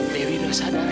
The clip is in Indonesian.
dewi udah sadar